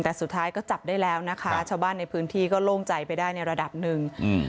แต่สุดท้ายก็จับได้แล้วนะคะชาวบ้านในพื้นที่ก็โล่งใจไปได้ในระดับหนึ่งอืม